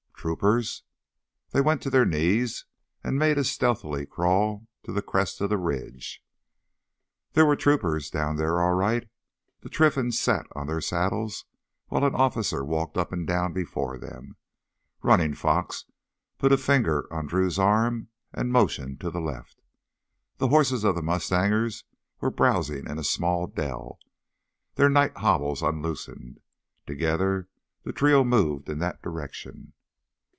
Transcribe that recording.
"Troopers?" They went to their knees and made a stealthy crawl to the crest of the ridge. There were troopers down there, all right. The Trinfans sat on their saddles while an officer walked up and down before them. Running Fox put a finger on Drew's arm and motioned to the left. The horses of the mustangers were browsing in a small dell, their night hobbles unloosed. Together the trio moved in that direction.